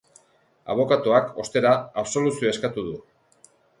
Abokatuak, ostera, absoluzioa eskatu du.